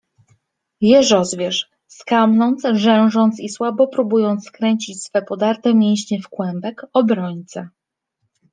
Jeżozwierz, skamląc, rzężąc i słabo próbując skręcić swe podarte mięśnie w kłębek - obrońcę